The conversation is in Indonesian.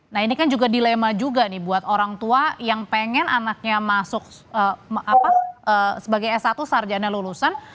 nah ini kan juga dilema juga nih buat orang tua yang pengen anaknya masuk sebagai s satu sarjana lulusan